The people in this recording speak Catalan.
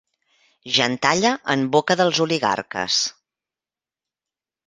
Gentalla en boca dels oligarques.